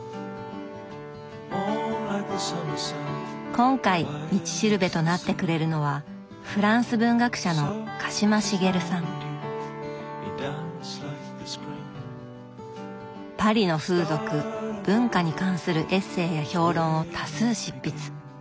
今回道しるべとなってくれるのはパリの風俗文化に関するエッセーや評論を多数執筆。